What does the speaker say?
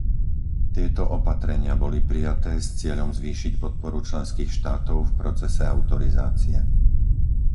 Tieto opatrenia boli prijaté s cieľom zvýšiť podporu členských štátov v procese autorizácie.